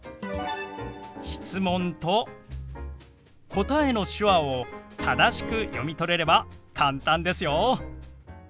質問と答えの手話を正しく読み取れれば簡単ですよ。